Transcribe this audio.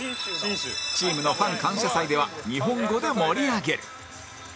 チームのファン感謝祭では日本語で盛り上げ